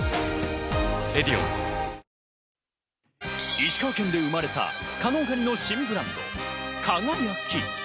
石川県で生まれた加能がにの新ブランド・輝。